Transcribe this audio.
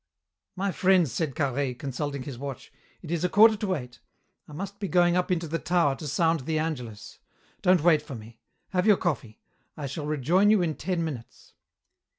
"My friends," said Carhaix, consulting his watch, "it is a quarter to eight. I must be going up into the tower to sound the angelus. Don't wait for me. Have your coffee. I shall rejoin you in ten minutes."